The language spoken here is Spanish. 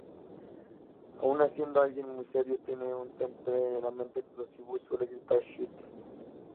Aun siendo alguien muy serio, tiene un temperamento explosivo y suele gritar "Shit!